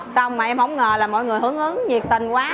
xong mà em không ngờ là mọi người hướng hướng nhiệt tình quá